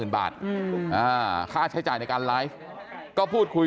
ค่าใช้จ่ายในการไลฟ์ก็พูดคุย